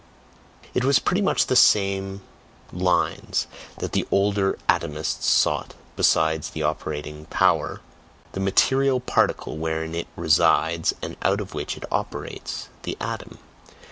It was pretty much on the same lines that the older atomism sought, besides the operating "power," the material particle wherein it resides and out of which it operates the atom.